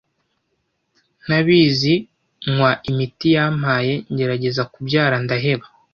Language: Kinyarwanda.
ntabizi nywa imiti yampaye ntegereza kubyara ndaheba,